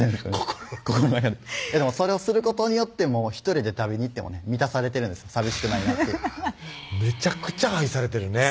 心のでもそれをすることによって１人で食べに行ってもね満たされてるんです寂しくないなってめちゃくちゃ愛されてるね